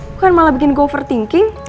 bukan malah bikin gue overthinking